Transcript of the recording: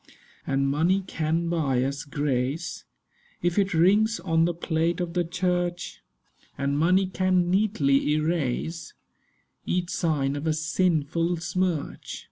'And money can buy us grace, If it rings on the plate of the church: And money can neatly erase Each sign of a sinful smirch.